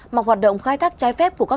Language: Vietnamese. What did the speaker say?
mà hoạt động khai thác trái phép của các